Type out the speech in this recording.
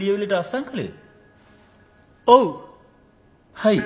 はい。